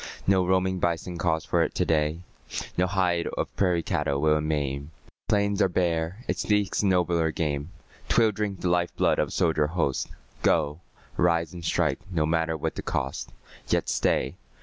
No roaming bison calls for it to day; No hide of prairie cattle will it maim; The plains are bare, it seeks a nobler game: 'Twill drink the life blood of a soldier host. Go; rise and strike, no matter what the cost. Yet stay.